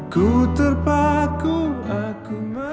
ku terpaku aku merindu